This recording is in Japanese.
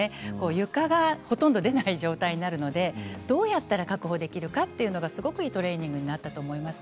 床がほとんど出ない状態になるので、どうやったら確保できるかというのがすごくいいトレーニングになったと思います。